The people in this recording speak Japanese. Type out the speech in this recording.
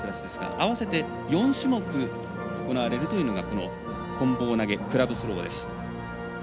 合わせて４種目行われるのがこん棒投げ、クラブスローです。